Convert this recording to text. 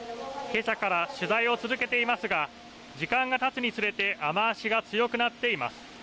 けさから取材を続けていますが時間がたつにつれて雨足が強くなっています。